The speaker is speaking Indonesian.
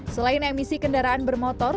selain emisi kendaraan bermotor